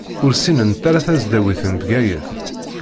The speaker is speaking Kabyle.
Ur ssinent ara tasdawit n Bgayet.